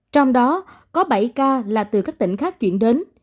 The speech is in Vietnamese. trong đó có bảy ca là từ các tỉnh khác chuyển đến